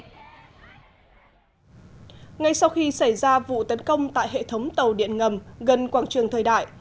ngay sau khi xảy ra vụ tấn công tại hệ thống tàu điện ngầm gần quảng trường thời đại